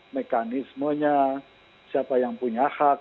mekanismenya siapa yang punya hak